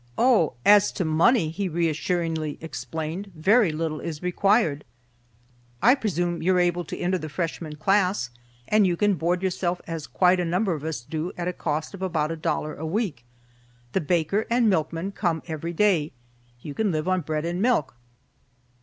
"Oh, as to money," he reassuringly explained, "very little is required. I presume you're able to enter the Freshman class, and you can board yourself as quite a number of us do at a cost of about a dollar a week. The baker and milkman come every day. You can live on bread and milk."